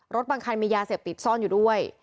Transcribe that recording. บางคันมียาเสพติดซ่อนอยู่ด้วย